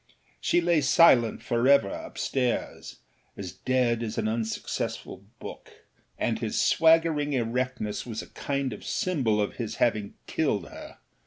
She lay silent for ever upstairsâas dead as an unsuccessful book, and his swaggering erectness was a kind of symbol of his having killed her.